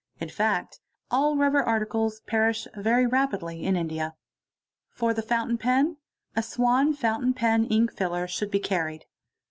In fact all rubber articles" perish very rapidly in India. For the fountain pen, a Swan Fountain Pen Ink filler should be carried.